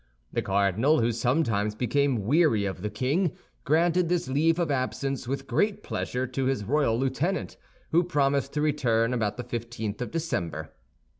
The cardinal, who sometimes became weary of the king, granted this leave of absence with great pleasure to his royal lieutenant, who promised to return about the fifteenth of September.